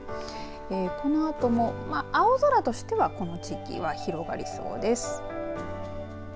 このあとも青空としてはこの地域は広がりそうです。